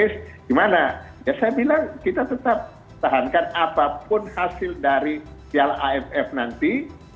nah ini sudah terserah kita tetap menahan apapun hasil dari piala aff nanti